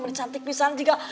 mencantik pesan juga